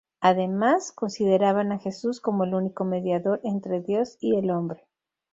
Además, consideraban a Jesús como el único mediador entre Dios y el hombre.